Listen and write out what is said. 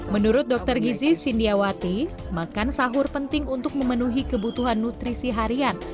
menurut dokter gizi sindiawati makan sahur penting untuk memenuhi kebutuhan nutrisi harian